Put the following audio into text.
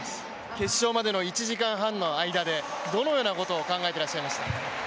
決勝までの１時間半の間で、どのようなことを考えてらっしゃいました？